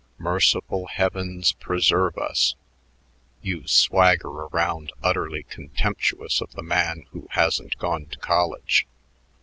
Merciful heavens preserve us! You swagger around utterly contemptuous of the man who hasn't gone to college.